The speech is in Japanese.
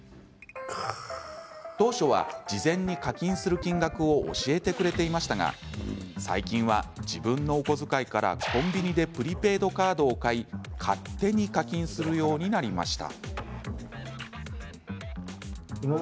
当初は、事前に課金する金額を教えてくれていましたが最近は自分のお小遣いからコンビニでプリペイドカードを買い勝手に課金するようになりました。